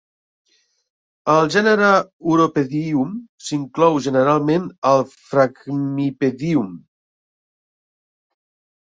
El gènere Uropedium s'inclou generalment al "Phragmipedium".